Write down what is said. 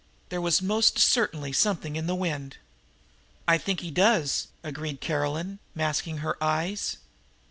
There was most certainly something in the wind. "I think he does," agreed Caroline, masking her eyes.